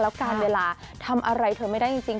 แล้วการเวลาทำอะไรเธอไม่ได้จริง